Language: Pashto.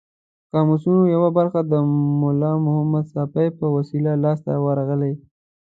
د قاموسونو یوه برخه د ملا محمد ساپي په وسیله لاس ته ورغلې.